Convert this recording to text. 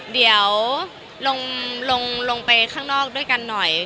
เดี๋ยวลงไปข้างนอกด้วยกันหน่อย